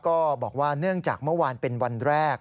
ก็บอกว่าเนื่องจากเมื่อวานเป็นวันแรก